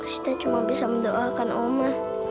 kita cuma bisa mendoakan oma